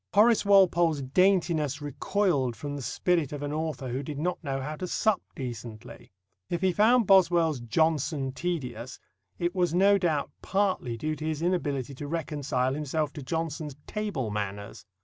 Horace Walpole's daintiness recoiled from the spirit of an author who did not know how to sup decently. If he found Boswell's Johnson tedious, it was no doubt partly due to his inability to reconcile himself to Johnson's table manners.